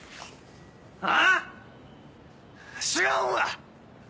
⁉あぁ⁉知らんわ！